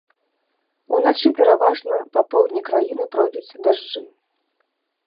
Уначы пераважна па поўдні краіны пройдуць дажджы.